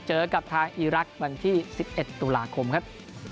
เจอกับทางอีรักษ์วันที่๑๑ตุลาคมครับ